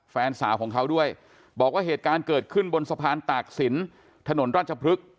แฟนสาวของเขาด้วยบอกว่าเหตุการณ์เกิดขึ้นบนสะพานตากศิลป์ถนนราชพฤกษ์